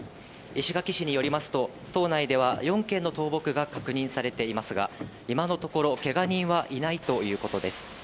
石垣市によりますと島内では４件の倒木が確認されていますが、今のところけが人はいないということです。